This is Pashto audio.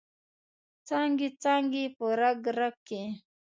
څانګې، څانګې په رګ، رګ کې